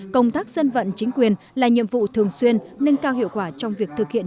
công tác dân vận chính quyền là nhiệm vụ thường xuyên nâng cao hiệu quả trong việc thực hiện